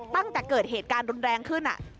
ตั้งแต่เกิดเหตุการณ์รุนแรงขึ้น